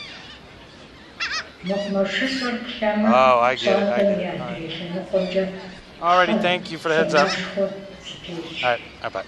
МэкъумэшыщӀэр плъэмэ - пщӀантӀэм и адрей лъэныкъуэмкӀэ пхъэ самэшхуэ зытелъщ.